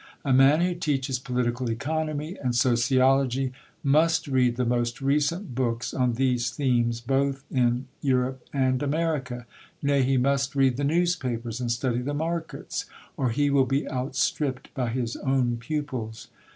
A man who teaches political economy and sociology must read the most recent books on these themes both in Europe and America nay, he must read the newspapers and study the markets, or he will be outstripped by his own pupils.